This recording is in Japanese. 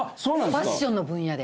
ファッションの分野で。